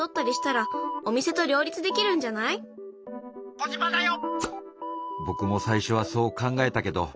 「コジマだよ！」。